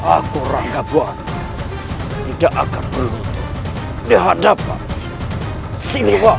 aku rangkap bahwa tidak akan berhenti dihadapan si lewat